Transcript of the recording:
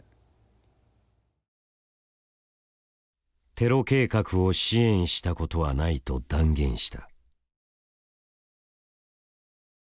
テロ計画を支援したことはないと断言した。